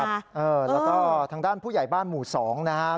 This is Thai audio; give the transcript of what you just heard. แล้วก็ทางด้านผู้ใหญ่บ้านหมู่๒นะครับ